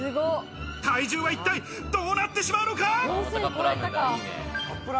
体重は一体、どうなってしまうのか？